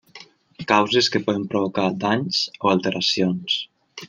Causes que poden provocar danys o alteracions.